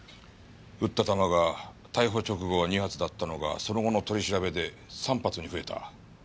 撃った弾が逮捕直後は２発だったのがその後の取り調べで３発に増えた。